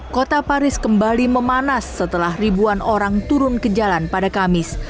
kota paris kembali memanas setelah ribuan orang turun ke jalan pada kamis